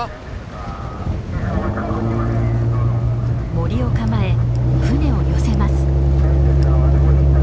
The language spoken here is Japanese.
モリを構え船を寄せます。